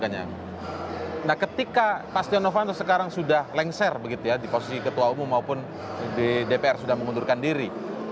nah ketika pak stianovanto sekarang sudah lengser di posisi ketua umum maupun di dpr sudah mengundurkan diri